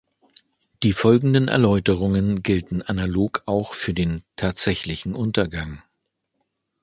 Die folgenden Erläuterungen gelten analog auch für den "tatsächlichen Untergang".